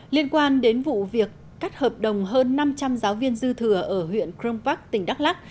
liên quan đến vụ việc cắt hợp đồng hơn năm trăm linh giáo viên dư thừa ở huyện crong park tỉnh đắk lắc